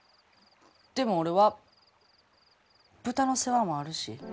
でも俺は豚の世話もあるし。